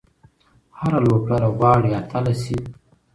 هره لوبډله غواړي اتله سي.